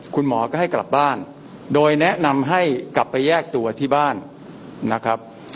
คุณหมอก็ให้กลับบ้านโดยแนะนำให้กลับไปแยกตัวที่บ้านนะครับ